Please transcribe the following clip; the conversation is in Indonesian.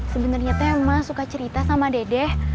sebenernya teh emang suka cerita sama dedek